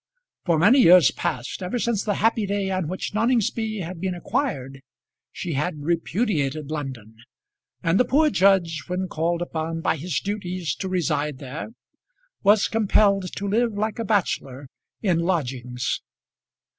For many years past, ever since the happy day on which Noningsby had been acquired, she had repudiated London; and the poor judge, when called upon by his duties to reside there, was compelled to live like a bachelor, in lodgings.